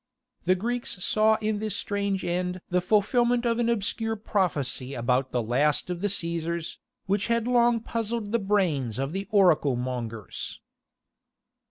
The Greeks saw in this strange end the fulfilment of an obscure prophecy about the last of the Caesars, which had long puzzled the brains of the oracle mongers.